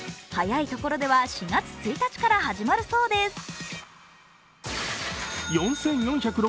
早いところでは４月１日から始まるそうです。